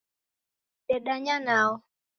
Dedanya nao